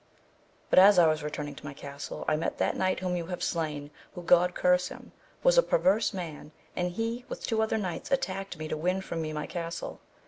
But as I was returning to my castle I met that knight whom you have slain, who God curse him, was a perverse man, and he with two other knights attacked me to win from me my castle.